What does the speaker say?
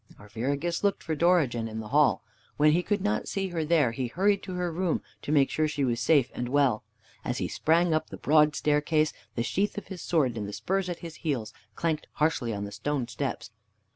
Arviragus looked for Dorigen in the hall. When he could not see her there, he hurried to her room, to make sure that she was safe and well. As he sprang up the broad staircase, the sheath of his sword and the spurs at his heels clanked harshly on the stone steps.